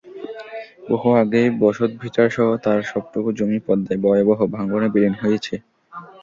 বহু আগেই বসতভিটাসহ তাঁর সবটুকু জমি পদ্মায় ভয়াবহ ভাঙনে বিলীন হয়েছে।